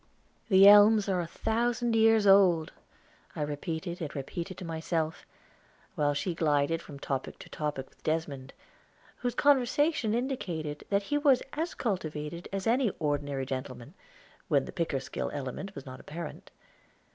"The elms are a thousand years old," I repeated and repeated to myself, while she glided from topic to topic with Desmond, whose conversation indicated that he was as cultivated as any ordinary gentleman, when the Pickersgill element was not apparent.